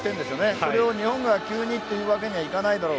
それを日本が急にというわけにはいかないだろう。